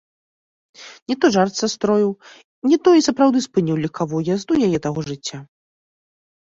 Не то жарт састроіў, не то і сапраўды спыніў легкавую язду яе таго жыцця.